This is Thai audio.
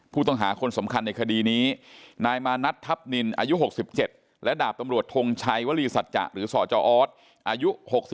ผู้ต้องหาคนสำคัญในคดีนี้นายมานัดทัพนินอายุ๖๗และดาบตำรวจทงชัยวรีสัจจะหรือสจออสอายุ๖๒